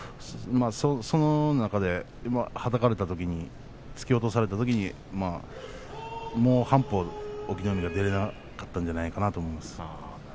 その中ではたかれたときに突き落とされたときにもう半歩、隠岐の海が出られなかったんじゃないかなと思います。